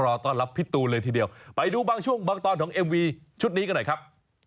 รอต้อนรับพี่ตูนเลยทีเดียวไปดูบางช่วงบางตอนของเอ็มวีชุดนี้กันหน่อยครับ